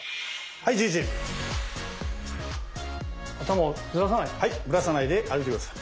はいずらさないで歩いて下さい。